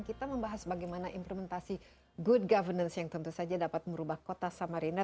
kita membahas bagaimana implementasi good governance yang tentu saja dapat merubah kota samarinda